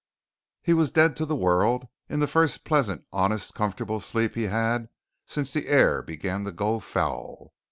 He was dead to the world in the first pleasant, honest, comfortable sleep he had since the air began to go foul.